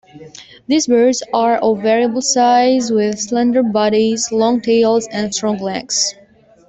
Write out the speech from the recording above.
These birds are of variable size with slender bodies, long tails and strong legs.